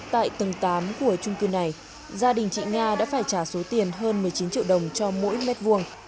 tại tầng tám của trung cư này gia đình chị nga đã phải trả số tiền hơn một mươi chín triệu đồng cho mỗi mét vuông